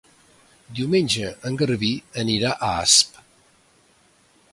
Diumenge en Garbí anirà a Asp.